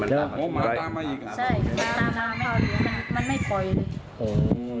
แต่ว่าหมาก็ยังตามมาอยู่